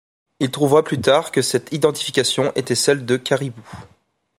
Il trouvera plus tard que cette identification était celle de caribous.